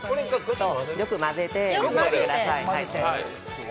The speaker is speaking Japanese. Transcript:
そう、よく混ぜてください。